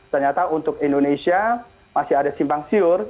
ternyata untuk indonesia masih ada simpang siur